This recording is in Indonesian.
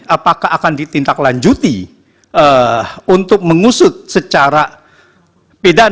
apakah akan ditindaklanjuti untuk mengusut secara pidana